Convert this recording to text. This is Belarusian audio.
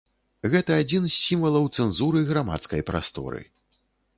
Гэта адзін з сімвалаў цэнзуры грамадскай прасторы.